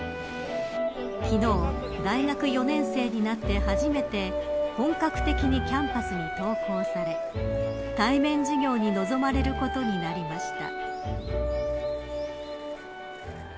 昨日、大学４年生になって初めて本格的にキャンパスに登校され対面授業に臨まれることになりました。